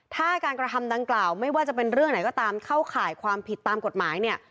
ถ้าการกระทำดังกล่าวไม่ว่าจะเป็นเรื่องไหนก็ตามเข้าข่ายความผิดตามกฎหมายเนี่ย